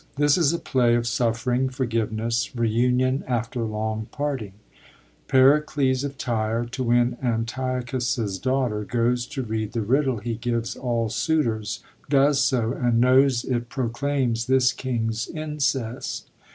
— This is a play of suffering, forgiveness, reunion after long parting. Pericles of Tyre, to win Antiochus's daughter, goes to rede the riddle he gives all suitors, does so, and knows it proclaims this king's incest.